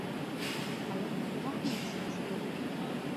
هلک د رحم احساس لري.